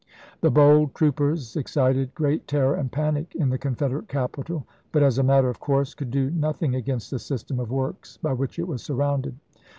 The bold troopers ex cited gi eat terror and panic in the Confederate capital, but, as a matter of course, could do nothing against the system of works by which it was sur rounded.